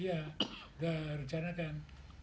ya sudah rencanakan